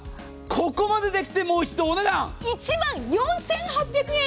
ここまでできてもう一度お値段１万４８００円！